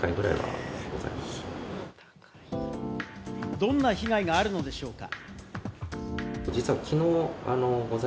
どんな被害があるのでしょうか？